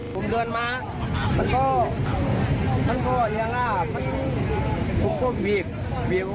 ก็เบียก